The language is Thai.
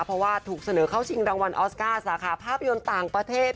เพราะว่าถูกเสนอเข้าชิงรางวัลออสการ์สาขาภาพยนตร์ต่างประเทศ